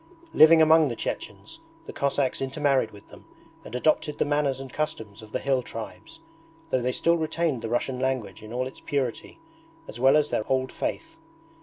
Living among the Chechens the Cossacks intermarried with them and adopted the manners and customs of the hill tribes, though they still retained the Russian language in all its purity, as well as their Old Faith.